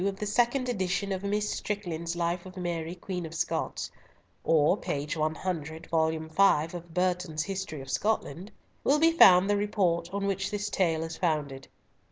of the second edition of Miss Strickland's Life of Mary Queen of Scots, or p. 100, vol. v. of Burton's History of Scotland, will be found the report on which this tale is founded.